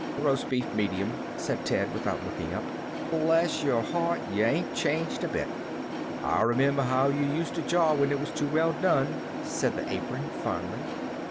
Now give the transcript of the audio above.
"Roast beef, medium," said Ted, without looking up. "Bless your heart, yuh ain't changed a bit. I remember how yuh used to jaw when it was too well done," said the Apron, fondly.